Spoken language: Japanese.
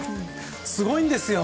すごいんですよ。